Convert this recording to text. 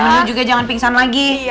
bu menil juga jangan pingsan lagi